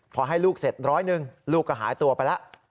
พอให้ลูกเสร็จร้อยหนึ่งลูกก็หายตัวไปแล้ว